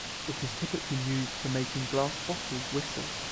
It is typically used for making glass bottles whistle.